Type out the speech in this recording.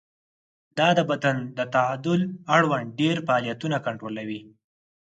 دا د بدن د تعادل اړوند ډېری فعالیتونه کنټرولوي.